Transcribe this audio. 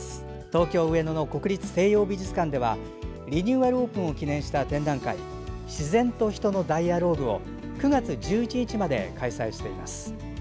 東京・上野の国立西洋美術館ではリニューアルオープンを記念した展覧会「自然と人のダイアローグ」を９月１１日まで開催しています。